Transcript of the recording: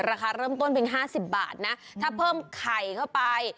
ราคาเริ่มต้นเป็น๕๐บาทนะถ้าเพิ่มไข่เข้าไป